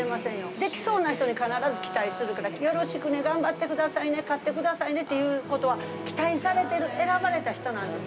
できそうな人に必ず期待するから、よろしくね、頑張ってくださいね、勝ってくださいねっていうことは、期待されてる選ばれた人なんです。